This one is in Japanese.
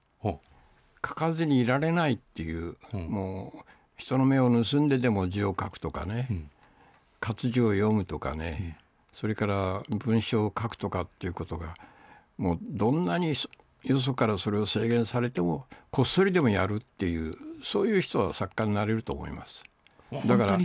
書かずにいられないっていう、もう人の目を盗んででも字を書くとかね、活字を読むとかね、それから文章を書くとかっていうことが、もうどんなによそからそれを制限されても、こっそりでもやるっていう、そういう人が作家になれると思います。